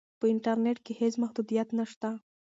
په انټرنیټ کې هیڅ محدودیت نشته.